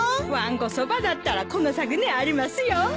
わんこそばだったらこの先にありますよ。